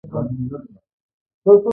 د سباوون راډیو تلویزون مشر دی.